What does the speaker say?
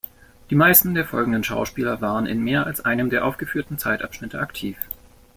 Die meisten der folgenden Schauspieler waren in mehr als einem der aufgeführten Zeitabschnitte aktiv.